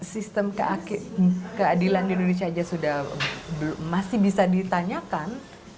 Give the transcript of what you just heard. sistem keadilan di indonesia saja sudah masih bisa ditanyakan